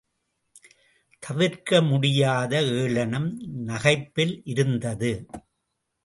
தவிர்க்க முடியாத ஏளனம் நகைப்பில் இருந்தது.